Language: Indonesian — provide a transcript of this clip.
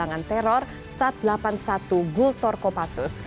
dan gulangan teror satu ratus delapan puluh satu gultor kopassus